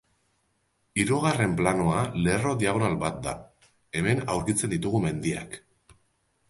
Hirugarren planoa lerro diagonal bat da, hemen aurkitzen ditugu mendiak.